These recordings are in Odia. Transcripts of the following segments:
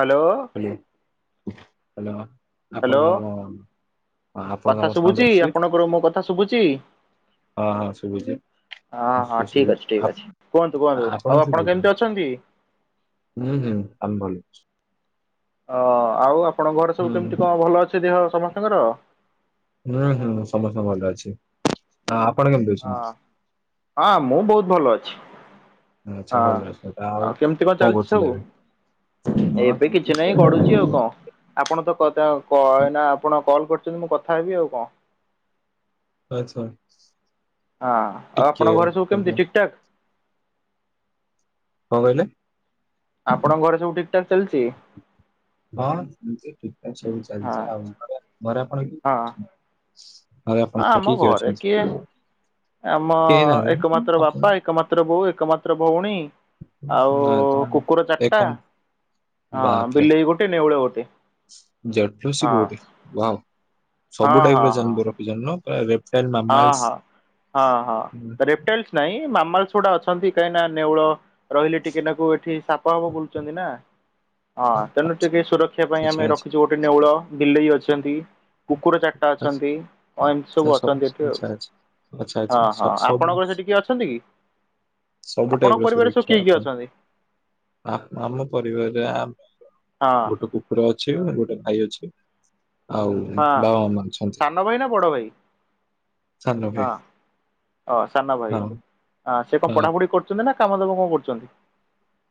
ହ୍ୟାଲୋ। Hello hello. ହ୍ୟାଲୋ ଆପଣଙ୍କ ଆମ ଆପଣଙ୍କ କଥା ଆମ ସାଉଣ୍ଡ ଶୁଭୁଚି ଆସୁଛି ଆପଣଙ୍କର ମୋ କଥା ଶୁଭୁଚି? ହଁ ହଁ ଶୁଭୁଛି। ହଁ ନିଶ୍ଚୟ ଠିକ୍ ଶୁଭୁଚି ଅଛି ଠିକ୍ ଅଛି କୁହନ୍ତୁ ଆପ- କୁହନ୍ତୁ ଆଉ ଆପଣ କେମିତି [unintelligible] ହୁଁ ହୁଁ ଅଛନ୍ତି? ଆମେ ଭଲ ଅଛୁ। ଅ ଆଉ ଆପଣଙ୍କ ଘରେ ସବୁ କେମିତି ହୁଁ କଣ ଭଲ ଅଛି ଦେହ ସମସ୍ତଙ୍କର? ହୁଁ ହୁଁ ସମସ୍ତେ ଭଲ ଅଛି। ଆପଣ କେମିତି ଅଛନ୍ତି? ହଁ ହଁ ମୁଁ ବହୁତ ଭଲ ଅଛି। ଆଚ୍ଛା ଭଲ ଅଛନ୍ତି ହଁ ଆଉ କେମିତି କଣ ଚାଲିଚି କରୁଥିଲେ ସବୁ? ଏବେ ହଁ ଏବେ ସେମିତି କିଛି ନାହିଁ ସବୁ ପଡୁଚି ଆଉ କଣ ଆପଣ ତ କଥା କ‌ଇନେ ଆପଣ କଲ କରି ଛନ୍ତି ମୁଁ କଥା ହେବି ଆଉ କଣ। ଆଛା। ହଁ ଆଉ ଆପଣଙ୍କ ଘରେ ସବୁ କେମିତି ଠିକ ଠାକ୍? କଣ କହିଲେ? ଆପଣଙ୍କ ଘରେ ସବୁ ଠିକ ଠାକ ଚାଲିଚି? ଏମିତି ଠିକ ଠାକ ସବୁ ଚାଲିଚି। ଆଉ ଘରେ ଘରେ ଆପଣ ହଁ କେମତି ଅଛନ୍ତି? ଘରେ ହଁ ଆପଣଙ୍କର ଆମ କିଏ ଘରେ କିଏ ଅଛନ୍ତି? ଆମ କେହି ନାହାନ୍ତି ଏକମାତ୍ର ବାପା ଏକମାତ୍ର ବୋଉ ଏକମାତ୍ର ଭୋଉଣୀ। ନା [unintelligible] ଏ କଣ? ହଁ ବାପରେ ବିଲେଇ ଗୋଟେ ନେଉଳ ଗୋଟେ ଜଟଲୋସି ହଁ ବୋହୁତ୍ ହିଁ ୱାଓ। ହଁ ସବୁ ଟାଇପ ହଁ ହଁ [unintelligible] ରଖିଚନ୍ତି ନୁହଁ ପ୍ରାୟେରେ ହଁ ହଁ ହଁ ହଁ ହୁଁ, ରେପଟେଲସ ନାଇଁ ମାମଲ୍ସ ଛୁଡ଼ା ଅଛି। ଅଛନ୍ତି କାହିଁକି ନା ନେଉଳ ରହିଲେ ଟିକେ ନାକୁ ଏଠି ସାପ ହାପ ବୁଲୁଚନ୍ତି ନା। ହଁ ତେଣୁ ଆଚ୍ଛା, ଟିକେ ସୁରକ୍ଷା ପାଇଁ ଆଚ୍ଛା, ଆମେ ଆଚ୍ଛା, ରଖିଚୁ ଗୋଟେ ନେଉଳ ବିଲେଇ ଅଛି। ଛନ୍ତି କୁକୁର ଚାରିଟା ଅଛନ୍ତି ଅ ଏମତି ଆଚ୍ଛା, ସବୁ ଅଛନ୍ତି ଏଠି। ଆଚ୍ଛା, ଆଚ୍ଛା। ଆଚ୍ଛା, ସବୁ ଆଚ୍ଛା, ହଁ ହଁ ସ- ସବୁ ଆପଣଙ୍କର ସେଠି କିଏ ଅଛନ୍ତି କି? ସବୁ ଆପଣଙ୍କ ଟାଇପ ର ପରିବାରରେ ସବୁ କିଏ ସୁରକ୍ଷା କିଏ ଆପଣ ଅଛନ୍ତି? ଆ-ଆମ ପରିବାରରେ ହଁ ଗୋଟେ କୁକୁର ଅଛି ଗୋଟେ ଭାଇ ଅଛି। ଆଉ ହଁ। ବାବା ମାମା ଅଛନ୍ତି। ସାନ ଭାଇ ନା ବଡ ଭାଇ ସାନ ହଁ ଭାଇ ଅ ସାନ ଭାଇ ହଁ, ଆଁ ସେ କଣ ହଁ, ପଢାପଢ଼ି କରୁଚନ୍ତି ନା କାମ ଦେବ ଙ୍କ କରୁଚନ୍ତି?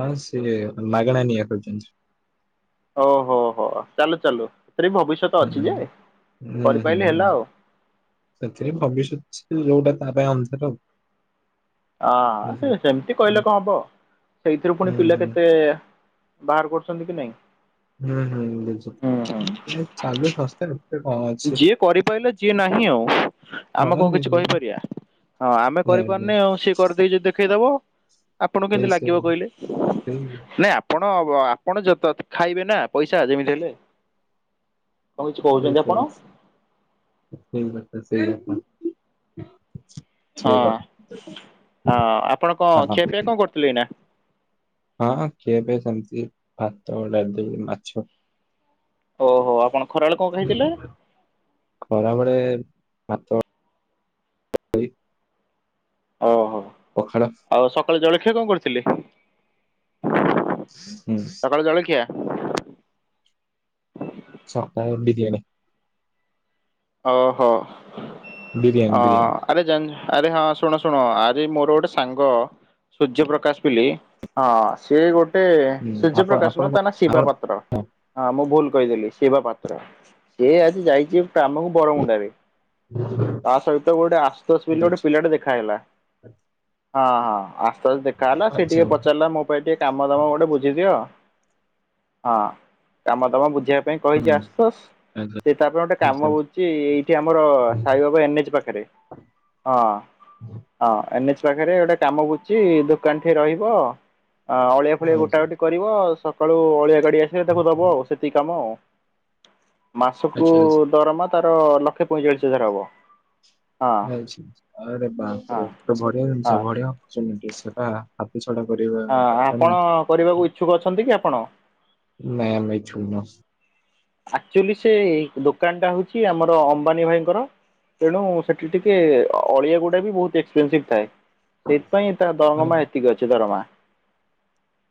ହଁ ସିଏ ମାଗଣା ନିଆଁ ଖାଉଚନ୍ତି। ଓ ହୋ ହୋ ଚାଲୁ ଚାଲୁ। ସେଥିରେ ବି ଭବିଷ୍ୟତ ହୁଁ, ଅଛି ଯେ ହୁଁ, ହୁଁ, କରିପାଇଲେ ହୁଁ। ହେଲା ଆଉ। ସେଥିରେ ଭବିଷ୍ୟତ ଯୋଉଟା ତା ପାଇଁ ଅନ୍ଧାର ଆଉ। ହୁଁ, ହଁ ସେ ହୁଁ, ସେମିତି କହିଲେ କଣ ହବ। ସେଇଥିରୁ ପୁଣି ହୁଁ, ପିଲା ହୁଁ, କେତେ ବାହାର କରୁଚନ୍ତି କି ନାଇଁ। ହୁଁ ହୁଁ ବୁଝିଲି ହୁଁ ହୁଁ ଉଁ ଏ ଚାଲୁ ସଂସ୍ଥା ଏତେ କଁ ଯିଏ କରିପାରିଲ ଯିଏ ନାହିଁ ଆଉ ଆମେ ହଁ କଣ ନି- କିଛି କହିପାରିବା। ହଁ ଆମେ ନାଇଁ ନାଇଁ କରିପାରୁନେ ଆଉ ସିଏ କରିଦେଇ ଯଦି ଦେଖେଇଦବ? ଆପଣଙ୍କୁ ସେଇ କେମିତି ସେଇ ଲାଗିବ କହିଲେ ନାଇଁ ଆପଣ କଁ ଆପଣ ଯେତ ତ ଖାଇବେ ନା ପଇସା ଯେମିତି ହେଲେ। ଆପଣ ଶୋଇଚି ସେଇ କଥା ସେଇ କଥା। ହଁ ସେଇ କଥା ହଁ ଆପଣ କଣ ଖିଆ ହଁ ପିଆ କଣ କରୁଥିଲେ ଏନା? ହଁ ଖିଆ ପିଆ ସରିଚି ଭାତ ଡାଲି ମାଛ ଓହୋ ଆପଣ ଖରାବେଳେ କଣ ଖାଇଥିଲେ? ଖରାବେଳେେ ଭାତ ଡାଲି ଓହୋ ପଖାଳ ଆଉ ସକାଳେ ଜଳଖିଆ କଣ କରିଥିଲି? ହୁଁ। ସକାଳେ ବିରିୟାନୀ। ଓହୋ ବିରିୟାନୀ ଅ ବିରିୟାନୀ ଆବେ ଜାନ ଆରେ ହଁ ଶୁଣ ଶୁଣ ଆରେ ମୋର ଗୋଟେ ସାଙ୍ଗ ସୂର୍ଯ୍ୟ ପ୍ରକାଶ ପିଲି ହଁ ସେ ଗୋଟେ ଗୋଟେ ହୁଁ ସୂର୍ଯ୍ୟ ଆପଣ ପ୍ରକାଶ ଆପଣ ନୁହଁ କଣ ତା ନା ଶିବା ଆପଣ ପାତ୍ର ହଁ ମୁଁ ଭୁଲ କହିଦେଲି ସିବା ପାତ୍ର ସେ ଆଜି ଯାଇଛି ଆମକୁ ବରମୁଣ୍ଡରେ ତା ସହିତ ଗୋଟେ ଆଶ୍ବସ ବୋଲି ଗୋଟେ ଆଚ୍ଛା ପିଲାଟେ ଦେଖା ହେଇଗଲା। ହଁ ହଁ ଆସୁ ଆସୁ ଦେଖା ହେଲା ସେ ଆଚ୍ଛା ଟିକେ ପଚାରିଲା ମୋ ପାଇଁ ଟିକେ କାମ ଦାମ ଗୋଟେ ବୁଝି ଦିଅ। ହଁ କାମ ଦାମ ବୁଝେଇବା ପାଇଁ କହିଛି ହୁଁ ଆସୁତୋଷ ଆଚ୍ଛା ସେ ତାପାଇଁ ଗୋଟେ କାମ ଆଚ୍ଛା ହଉଚି ଏଇଠି ଆମର ସାଇବାବା ଏନ୍ଏଚ୍ ପାଖରେ। ହଁ ହଁ ହଁ। ଏନ୍ଏଚ୍ ପାଖରେ ଗୋଟେ କାମ ବୁଚି ଦୋକାନ ଠେ ରହିବ ଆ ଅଳିଆ ଫଳିଆ ଗୋଟା ଆଚ୍ଛା ଗୋଟି କରିବ ସକାଳୁ ଅଳିଆ ଗାଡି ଆସିଲେ ତାକୁ ଦବ ଆଉ ସେତିକି କାମ ଆଉ। ମାସକୁ ଆଚ୍ଛା ଦରମା ତାର ଲକ୍ଷେ ପଇଁଚାଳିଶ ହଜାର ହବ। ହଁ ରେ ହଁ ବାପ ବଢଆ ଜିନିଷ ହଁ ବଢିଆ ଅପର୍ଚୁନିଟି ସେଟା ଆଉ ଆପଣ କରିବାକୁ ଇଚ୍ଛୁକ ଅଛନ୍ତି କି ଆପଣ କି [unintelligible] ଆକ୍ଚୁଆଲି ସେ ଦୋକାନ ଟା ହଉଚି ଆମର ଅମ୍ବାନୀ ଭାଇଙ୍କର ତେଣୁ ସେଠି ଟିକେ ଅଳିଆ ଗୁଡା ବି ବହୁତ ଏକ୍ସପେନ୍ସିଭ୍ ଥାଏ। ସେଇଥିପାଇଁ ତା ଦରଙ୍ଗମା ଏତିକି ଅଛି ଦରମା।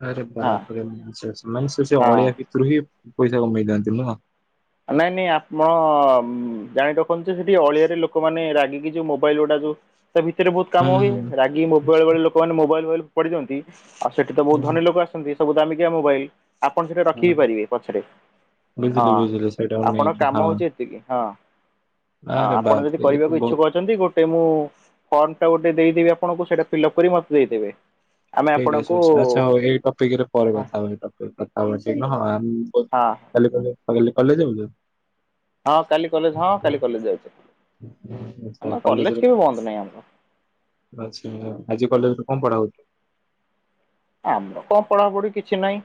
ଆରେ ହଁ ବାପରେ ଏକ୍ସପେନ୍ସିଭ୍ ନାଇଁ ସେ ହଁ ଅଳିଆ ଭିତରୁ ହିଁ ପଇସା କମେଇ ଥାନ୍ତି ନୁହଁ? ନାଇଁ ନାଇଁ ଆପଣ ଜାଣି ରଖନ୍ତୁ ସେଠି ଅଳିଆରେ ଲୋକମାନେ ରାଗିକି ଯୋଉ ମୋବାଇଲ ଗୁଡା ତା ଭିତରେ ବହୁତ ହୁଁ କାମ ହୁଏ ହୁଁ ହୁଁ। ରାଗି ମୋବାଇଲ ବେଳେ ଲୋକମାନେ ମୋବାଇଲ ଫୋବାଇଲ ଫୋପାଡିି ଦିଅନ୍ତି। ଆଉ ସେଠି ତ ହୁଁ ବହୁତ ହୁଁ ଧନୀ ଲୋକ ଆସନ୍ତି ସବୁ ଦାମିକଆ ମୋବାଇଲ। ଆପଣ ସେଠି ରଖି ହଁ ବିି ପାରିବେ ପଛରେ ହଁ। ବୁଝିଲି ବୁଝିଲି ସେଇଟାକୁ ଆପଣଙ୍କ ନେଇକି କାମ ହଁ ହଉଚି ଏତିକି ହଁ। ଆରେ ଆପଣ ଯଦି ବାପରେ ଇଏ କହିବେ ତ ଇଚ୍ଛୁକ ବହୁତ ଅଛନ୍ତି ଗୋଟେ ମୁଁ ଫର୍ମ ଟା ଗୋଟେ ଦେଇଦେବି ଆପଣଙ୍କୁ ସେଇଟା ଫିଲଅପ୍ କରି ମତେ ଦେଇଦେବେ। ଆମେ ଠିକ ଆପଣଙ୍କୁ ଅଛି ଆଚ୍ଛା ହଉ ଏଇ ଟପିକ୍ ରେ ପରେ ହଁ କଥା ହବା ଏଇ ଟପିକ୍ କଥା [unintelligible] ହଁ କାଲି କଲେ କାଲି କଲେଜ ଯିବୁନିକି? ହଁ କାଲି କଲେଜ ହଁ କାଲି କଲେଜ ଯାଉଚି। ଆଛା କଲେଜରେ ନାହିଁ ଆମର ଆଛା ଆଜି କଲେଜ କଣ ପଢା ହଉଚି? ଆ କଣ ପଢାପଢି କିଛି ନାହିଁ।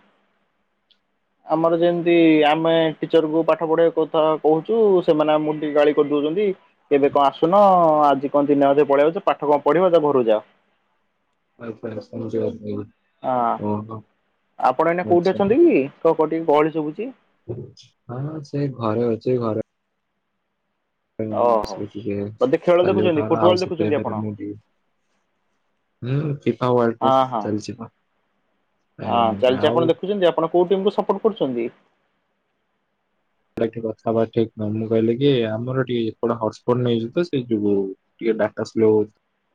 [inaudible] ଆମର ଯେମିତି ଆମେ ଟିଚରକୁ ପାଠ ପଢିବା କଥା କହୁଛୁ ସେମାନେ ଆମକୁ ଟିକେ ଗାଳି କରିଦଉଛନ୍ତି। ଏବେ କଣ ଆସୁନ ଆଜି କଣ ଦତିିନି ହଜ ପଳେଇଆଛ ପାଠ କଣ ପଢିବ ତା ଘରୁ ଯାଅ। ଆ ହଁ ହଁ ହ। ଆପଣ ଏଇନା କୋଉଠି ଅଛନ୍ତି କି କ କୋିକେ ଗହଳି ସୁଛି ହଁ ସେ ଘରେ ଅଛି ଘରେ ଓହୋ ସଖିକ ବୋଧେ ଖେଳ କଲ ଦେଖୁଛନ୍ତି ତାାର ଫୁଟବଲ ଆଉଶ୍ୟତ ଦେଖୁଛନ୍ତି ଆପଣ ପରେ ମଡି ହୁଁ ଫିଫା ୱାର୍ଲଡ ହଁ ହଁ କପ ଚାଲିଛି ମା ହଁ ଚାଲିଛି ଆପଣ ଦେଖୁଛନ୍ତି ଆପଣ କୋଉ ଟିମ୍କୁୁ ସପୋର୍ଟ କରୁଛନ୍ତି। ସେଟା ଟିକେ କଥାବାର୍ତ୍ ଠିକ ନହଁ ମୁଁ କହିଲି କି ଆମର ଟିକେ ଏପଟେ ହଟସ୍ପଟ ନେଇଯିବ ତ ସେ ଯୁ ଦାଟା ସ୍ଲୋ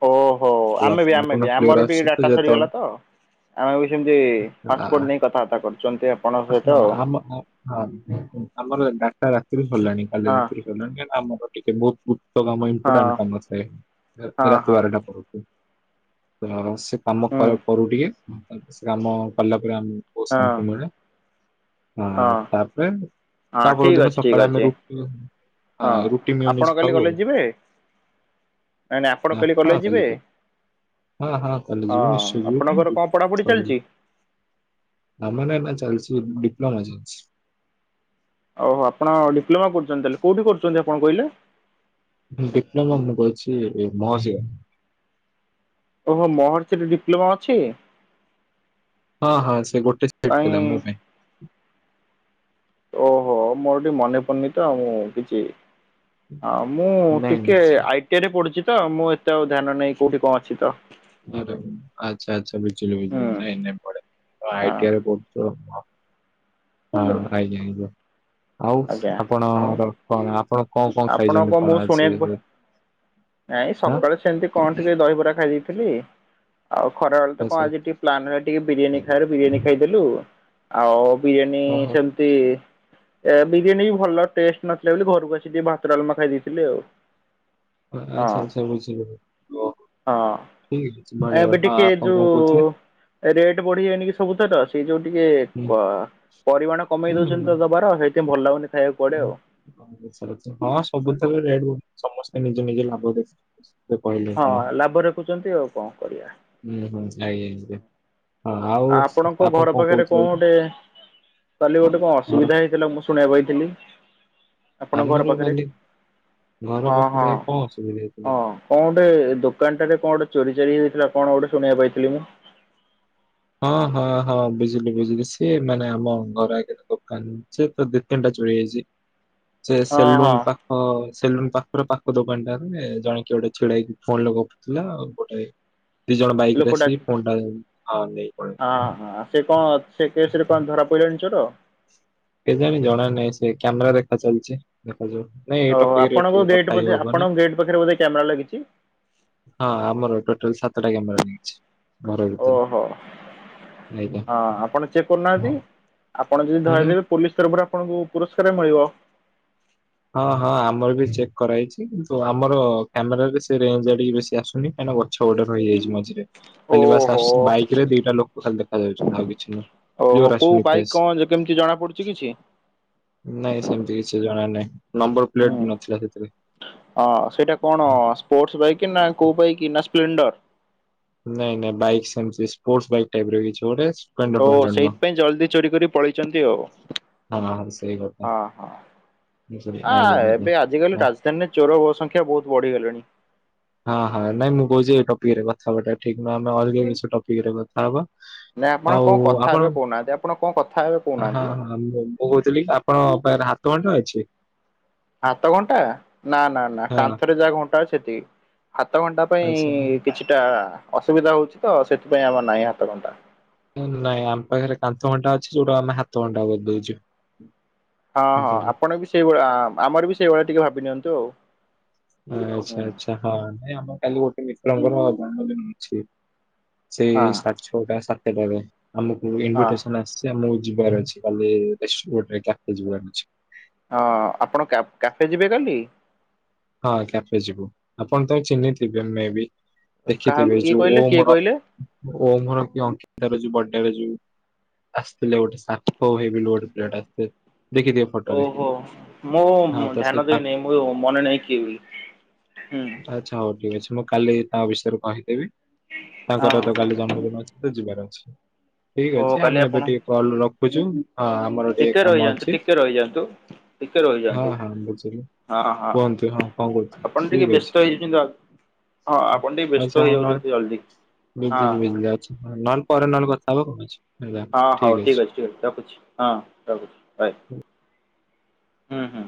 ଓହୋ ଆମେ ବି ଆମେ ସମ୍ପୂର୍ଣ୍ଣ ବି କ୍ଲିୟର ଆମର ଟିକେ ଆସୁଛି ତ ଡାଟା ଯେତେବେଳେ ସରିଗଲା ତ ଆମେ ବି ସେମତି ପାପୋର୍ଟ ନେଇ କଥାବାର୍ତା କରୁଛୁ। ହ ଆମ ହଁ ଆମର ଗାାରଟା ରାତିରେ ସରିଲାଣି କାଲି ଆଉ ରାତିରେ ସରିଲାଣି ଆମର ଟିକେ ବହୁତ ଉଚ୍ଚ କାମ ହଁ ଇମ୍ପୋର୍ଟାଣ୍ଟ କାମ ହଁ ଅ ହଁ ରାତି ହଁ ବାରଟା କରୁଛୁ ତ ସେ କାମ ହୁଁ କରୁ ଟିକେ ସେ କାମ କଲା ପରେ। ଗ୍ରାମହୁ ହଁ ଶାନ୍ତି ମ ଆ ହଁ ତାପରେ ହଁ ତାପ ଠିକ୍ ଦିନ ଅଛି ଠିକ୍ ସକାଳେ ଆମେ ଅଛି ରଠ ଆ ହଁ ରୁଟି ମିଓ ଆପଣ ନିିଜ କାଲି ଖାଉ ଆଉ କଲେଜ ଯିବେ ନାଇଁ ନାଇଁ ଆପଣ ହ କାଲି ହଁ କଲେଜ ଯିବେ ଖଲିପ ହଁ ହଁ ତାହେଲେ ଯିବି ନିଶ୍ଚୟ ଯିବୁ ଆପଣଙ୍କର କଣ ପଢାପଢି କହିଁ ଚାଲିଛି? ଯିବୁ ଆମ ନା ଚାଲିୁଛି ଡିପ୍ଲୋମା ଚାଲଛି। ଓହୋ କ କହିଲେ? ଡିପ୍ଲୋମା ମୁଁ କରିଛି ମହସ ଓହୋ ମହର୍ଷରେ ଡିପ୍ଲୋମା ଅଛି। ହଁ ହଁ ସେ ଗୋଟେ ସାଇଟ ଥିଲା କାଇଁ ମୋ ପାଇଁ ଓହୋ ମୋର ଟିକେ ମନେ ପାରୁନି ତଉ ମୁଁ କିଛି ହଁ ମୁଁ ନାଇଁ ନାଇଁ ଟିକେ ସେ- ଆଇଟି ରେ ପଢୁଛି ତ ମୁଁ ଏତେ ଆଉ ଧ୍ୟାନ ନାହିଁ କୋଉଠି କଣ ଅଛି ତ ଆଛା ଆଚ୍ଛା ବିଜୁିଲ ହୁଁ ବିଜିଲ ନାଇ ହଁ ପେ କର ହଁ ହୁଁ ଆଜ୍ଞା ଆଜ୍ଞା। ଆଉ ଆଜ୍ଞା ଆଉ ଆପଣର କଣ ଆପଣ କଣ କଣ ଆପଣ ଖାଇଛନ୍ତି ମୁଁ କଣ ଆଜି ଶୁଣିବାକୁ ପା ନାଇଁ ହାଁ? ସକାଳେ ସେମିତି କଣ ଟିକେ ଦହିବରା ଖାଇଦେଇଥିଲି ଆଉ ଖରା ବେଳେ ତ କଣ ଆଚ୍ଛା ଆଜି ଟିକେ ପ୍ଲାନ୍ ହ ଟିକେ ବିରିୟାନୀ ଖାଇବାରେ ବିରିୟାନୀ ଖାଇଦେଲୁ ଆଉ। ବିରିୟାନୀ ଓହୋ ସେମିତି ଏ ବିରିୟାନୀ ବି ଭଲ ଟେଷ୍ଟ ନଥିଲା ବୋଲି ଘରକୁ ଆସିିକି ଭାତ ଡାଲମା ଖାଇ ଦେଇଥିଲି ଆଉ। ଆଚ୍ଛା ଆଚ୍ଛା ବୁଝିଗଲି ହଁ ହଁ। ଏବେ ଟିକେ କଣ କହୁଥିଲେ? ଯୋଉ ରେଟ ବଢିଯାଇନି କି ସବୁ ତକ ସେ ଯୋଉ ଟିକେ ହୁଁ ପରିମାଣ କମେଇ ହୁଁ ଦଉଛନ୍ତି ହୁଁ ତ ଦବାର ସେଇଥିପାଇଁ ଭଲ ଲାଗୁନି ଖାଇବାକୁ କୁଆଡେ ଆଉ। ହଁ ସବୁଥର ରେ [inaudible] ସମସ୍ତେ ନିଜେ ନିଜେ ଲାଭ ଦେଇ [unintelligible] ହଁ ଲାଭ ରଖୁଛନ୍ତି ଆଉ କଣ କରିବା ହୁଁ ହୁଁ ଆଜ୍ଞା ଆଜ୍ଞା ହଁ ଆଉ ଆପଣଙ୍କ ଆପଣ ଘର କଣ ପାଖରେ କହୁଛନ୍ତି କଣ ଗୋଟେ କଲି ଗୋଟେ କଣ ଘର ଅସୁବିଧା ହେଇଥିଲା ମୁଁ ଶୁଣିବା ପାଇଁଥିଲି ଆପଣଙ୍କ ଘର ଆମର ପାଖରେ କାଲି ଘର ହଁ ହଁ ପାଖରେ କଣ ଅସୁବିଧା ହେଇଥିଲା? ହଁ କଣ ଗୋଟେ ଦୋକାନଟାରେ କଣ ଗୋଟେ ଚୋରି ଚାରି ହେଇଥିଲା କଣ ଗୋଟେ ଶୁଣିବାକୁ ପାଇଥିଲି ମୁଁ ହଁ ହଁ ହଁ ବୁଝିଲି ବୁଝିଲି ସିଏ ମାନେ ଆମ ଘର ଆଗରେ ଦୋକାନ ତାର ଦି ତିନିଟା ଚୋରି ହେଇଥିଲା। ସେ ହଁ ହଁ ସେଲୁନ୍ ପାଖ ସେଲୁନ ପାଖର ପାଖ ଦୋକାନଟା ଜଣେ କିଏ ଗୋଟେ ଛିଡ଼ା ହେଇକି ଫୋନ ଲଗୋଉଥିଲା ଆଉ ଗୋଟେ ଦି ଜଣ ବାଇକ ରେ ଲୋକଟା ଆସିକି ଫୋନ ଟା ନେଇ ପଳେଇଲେ ହଁ ସେ କଣ ସେ କେସରେ କଣ ଧରା ପଡ଼ିଲାଣି ଚୋର କେଜାଣି ଜଣା ନାହିଁ ସେ କ୍ୟାମେରା ଦେଖା ଚାଲିଛି। ହାଜୋ ନାଇଁ ଏଇ ଓ ଟପିକରେ ଆପଣଙ୍କ ଏଠି ଗେଟ୍ କଥା ହେଇ ବୋଧେ ହବନି। ଆପଣଙ୍କ ଗେଟ୍ ପାଖରେ ବୋଧେ କ୍ୟାମେରା ଲାଗିଛି? ହଁ ଆମର ଟୋଟାଲ୍ ସାତଟା କ୍ୟାମେରା ଲାଗିଛି। ଘର ଓହୋ ଭିତରେ ହଁ ଆଜ୍ଞା ଆପଣ ଚେକ୍ କରୁନାହାନ୍ତି? ଆପଣ ଯଦି ହୁଁ ଧରେଇଦେବେ ପୋଲିସ୍ ତରଫରୁ ଆପଣଙ୍କୁ ପୁରସ୍କାର ମିଳିବ। ହଁ ହଁ ଆମର ବି ଚେକ୍ କରାହେଇଛି କିନ୍ତୁ ଆମର କ୍ୟାମେରାରେ ସେ ରେଞ୍ଜ୍ ଏଡିକି ବେଶୀ ଆସୁନି। ଗଛ ଗୋଟେ ରହିଯାଇଛି ମଝିରେ। ଖାଲି ବାସ୍ ଓହୋ ଆସୁଛନ୍ତି ବାଇକ୍ ରେ ଦି ଟା ଲୋକ ଖାଲି ଦେଖାଯାଉଛନ୍ତି ଆଉ କିଛି ନୁହଁ। ଓହୋ କ୍ଲିୟର କୋଉ ଆସୁନି ବାଇକ୍ ଫେସ୍। କଣ ଯେ କେମିତି ଜଣା ପଡୁଛି କି? ନାଇଁ ସେମିତି କିଛି ଜଣା ନାହିଁ। ନମ୍ବର ପ୍ଲେଟ ହୁଁ ବି ନଥିଲା ସେଥିରେ। ହଁ ସେଇଟା କଣ ସ୍ପୋର୍ଟସ ବାଇକି ନା କୋଉ ବାଇକି ନା ପ୍ଲେଣ୍ଡର୍। ନାଇଁ ନାଇଁ ବାଇକ୍ ସେମିତି ସ୍ପୋର୍ଟସ ବାଇକ୍ ଟାଇପର କିଛି ଗୋଟେ ସ୍ପ୍ଲେଣ୍ଡର ଓ ଫେଣ୍ଡର ନୁହଁ। ସେଇଥିପାଇଁ ଜଲଦି ଚୋରି କରି ପଳେଇଛନ୍ତି ଆଉ। ହଁ ସେଇ କଥା। ଆଇଗୋ, ଆଁ ଆଇଗୋ। ଏବେ ଆଜିକାଲି ରାଜଧାନୀରେ ଚୋର ସଂଖ୍ୟା ବହୁତ ବଢିଗଲେଣି। ହଁ ହଁ ନାଇଁ ମୁଁ କହୁଛି ଏଇ ଟପିକ୍ ରେ କଥା ହବାଟା ଠିକ ନୁହଁ ଆମେ ଅଲଗା ଟପିକ୍ ରେ କଥା ହବା। ନାଇଁ ଆପଣ ଆଉ କଣ କଥା ହେବେ ଆପଣ କହୁନାହାନ୍ତି ଆପଣ କଣ କଥା ହେବେ ହଁ କହୁନାହାନ୍ତି? ହଁ ବହୁ ତିଲି ଆପଣ ପାଖରେ ହାତ ଘଣ୍ଟା ଅଛି? ହାତ ଘଣ୍ଟା ନା ନା ନା ହଁ କାନ୍ଥରେ ଯାହା ଘଣ୍ଟା ଅଛି ସେତିକି। ହାତଘଣ୍ଟା ପାଇଁ ଆଚ୍ଛା କିଛିଟା ଅସୁବିଧା ହଉଛି ତ ସେଥିପାଇଁ ଆମର ନାହିଁ ହାତଘଣ୍ଟା। ନାଇଁ ଆମ ପାଖରେ କାନ୍ଥଘଣ୍ଟା ଅଛି ଯୋଉଟା ଆମେ ହାତଘଣ୍ଟା କରି ଦୋଉଛୁ। ହଁ ହଁ ଆପଣ ବି ସେଇଭଳିଆ ଆମର ବି ସେଇଭଳିଆ ଟିକେ ଭାବି ନିଅନ୍ତୁ ଆଉ। ଆଚ୍ଛା ହୁଁ। ଆଚ୍ଛା ହଁ ନାଇଁ ଆମ କାଲି ଗୋଟେ ମିତ୍ରଙ୍କର ଜନ୍ମଦିନ ଅଛି ହଁ ସେଇ ସାଢ଼େ ଛଅଟା ସାତଟାରେ। ଆମକୁ ହଁ ଇନଭିଟେସନ ଆସିଛି ଆମକୁ ଯିବାର ଅଛି କାଲି [unintelligible] କ୍ୟାଫେ ଯିବାର ଅଛି। ହଁ ଆପଣ କ୍ୟାଫେ ଯିବେ କାଲି? ହଁ କ୍ୟାଫେ ଯିବୁ ଆପଣ ତାକୁ ଚିହ୍ନିଥିବେ ମେ ବି। କାହା ଦେଖିଥିବେ କିଏ ଯୋଉ କହିଲେ କିଏ ଓମର କହିଲେ? ଓମର କି ଅଙ୍କିତାର ଯୋଉ ବଡ୍ ଟେ ଯୋଉ ଆସିଥିଲେ ଗୋଟେ ସାର୍ଥକ ଭାଇ ବିଲୋ ଅଡିଟେଡ୍ ଆସିଥିଲେ ଦେଖିଥିବେ ଫଟୋରେ ଓହୋ ମୁଁ ହଁ ତ ସେ ଧ୍ୟାନ ତାଙ୍କ ଦେଇନାହିଁ ମୁଁ ମ ନେ ନାହିଁ କିଏ ବୋଲି ହୁଁ। ଆଚ୍ଛା ହଉ ଠିକ ଅଛି ମୁଁ କାଲି ତା ବିଷୟରେ କହିଦେବି ହଁ ତାଙ୍କର ତ କାଲି ଜନ୍ମଦିନ ଅଛି ତ ଯିବାର ଅଛି। ଠିକ ଓ ଅଛି କାଲି ଆମେ ଆପଣ ଏବେ ଟିକେ କଲ୍ ରଖୁଛୁ। ହଁ ଆମର ଟିକେ କାମ ରହିଯାଆନ୍ତୁ ଅଛି ଟିକେ ରହିଯାଆନ୍ତୁ। ଟିକେ ହଁ ରହିଯାଆନ୍ତୁ ହଁ ବୁଝିଲି। ହଁ ହଁ କୁହନ୍ତୁ ହଁ କଣ କହୁଥୁଲୁ ଆପଣ ଟିକେ ଠିକ୍ ବ୍ୟସ୍ତ ଅଛି। ହେଇଯାଉଛନ୍ତି ହଁ ଆପଣ ଟିକେ ବ୍ୟସ୍ତ ଆଛା ହଁ ନ ହେଇଯାଉଛନ୍ତି ଜଲ୍ଦି ହଁ ବିଜିଲି ହଁ ବିଜିଲି ଆଉଚି ନହେ ପରେ ନେହେଲେ କଥା ହେବା ଆଉ। ହଁ ହଉ ଠିକ୍ ଅଛି ଠିକ୍ ଅଛି ରଖୁଛି ହଁ ରଖୁଛି। ହଏ ହୁଁ ହୁଁ।